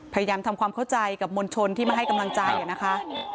พยายามทำความเข้าใจกับมวลชนที่มาให้กำลังใจนะคะ